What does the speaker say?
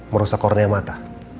merusak koronnya mata